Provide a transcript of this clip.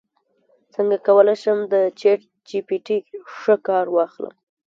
څنګه کولی شم د چیټ جی پي ټي ښه کار واخلم